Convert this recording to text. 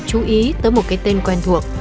chú ý tới một cái tên quen thuộc